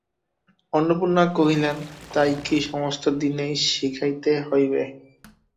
অন্নপূর্ণা কহিলেন, তাই কি সমস্ত দিনই শিখাইতে হইবে।